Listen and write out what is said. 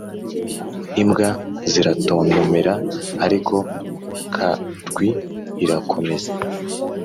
imbwa ziratontomera, ariko karwi irakomeza.